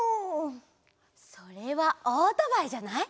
それはオートバイじゃない？